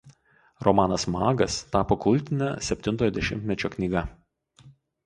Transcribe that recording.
Romanas „Magas“ tapo kultine septintojo dešimtmečio knyga.